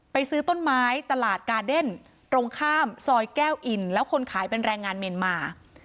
ซื้อต้นไม้ตลาดกาเดนตรงข้ามซอยแก้วอินแล้วคนขายเป็นแรงงานเมียนมา